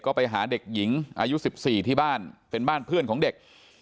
ก็ไปหาเด็กหญิงอายุ๑๔ที่บ้านเป็นบ้านเพื่อนของเด็ก